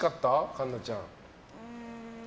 栞奈ちゃん。